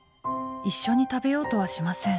一緒に食べようとはしません。